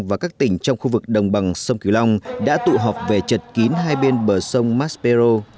và các tỉnh trong khu vực đồng bằng sông kiều long đã tụ họp về chật kín hai bên bờ sông maspero